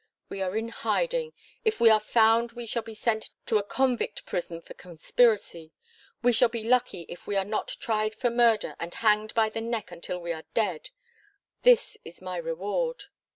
We are in hiding. If we are found we shall be sent to a convict prison for conspiracy. We shall be lucky if we are not tried for murder and hanged by the neck until we are dead. This is my reward!"